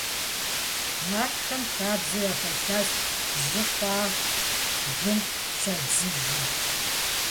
Нартхэм хабзэу яхэлъащ жьы хъуар бгым щадзыжу.